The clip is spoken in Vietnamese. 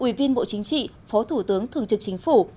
ủy viên bộ chính trị phó thủ tướng thường trực chính phủ